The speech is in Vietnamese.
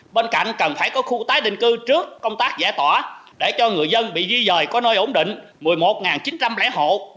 bên cạnh cần phải có khu tái định cư trước công tác giải tỏa để cho người dân bị duy dời có nơi ổn định